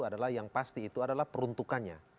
adalah yang pasti itu adalah peruntukannya